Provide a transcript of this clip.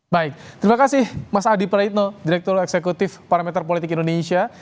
baik terima kasih mas adi praitno direktur eksekutif parameter politik indonesia